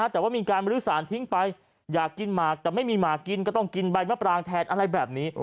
แต่ว่ามีการบริสารทิ้งไปอยากกินหมากแต่ไม่มีหมากกินก็ต้องกินใบมะปรางแทนอะไรแบบนี้